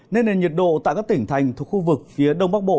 nên nền nhiệt độ tại các tỉnh thành thuộc khu vực phía đông bắc bộ